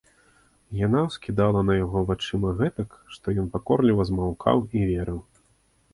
Яна ўскідала на яго вачыма гэтак, што ён пакорліва змаўкаў і верыў.